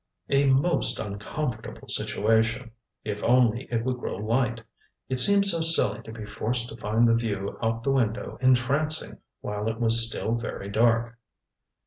A most uncomfortable situation! If only it would grow light! It seemed so silly to be forced to find the view out the window entrancing while it was still very dark.